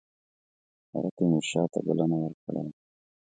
هغه تیمورشاه ته بلنه ورکړې وه.